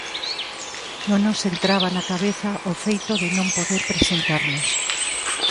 Non nos entraba na cabeza o feito de non poder presentarnos.